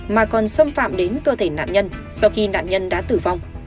mà còn xâm phạm đến cơ thể nạn nhân sau khi nạn nhân đã tử vong